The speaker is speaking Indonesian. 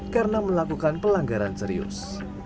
karena melakukan pelanggaran serius